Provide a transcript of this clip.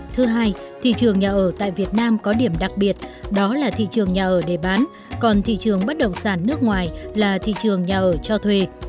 thứ hai thị trường nhà ở tại việt nam có điểm đặc biệt đó là thị trường nhà ở để bán còn thị trường bất động sản nước ngoài là thị trường nhà ở cho thuê